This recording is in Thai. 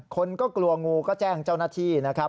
คนก็กลัวงูก็แจ้งเจ้าหน้าที่นะครับ